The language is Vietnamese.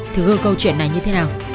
thưa ngư câu chuyện này như thế nào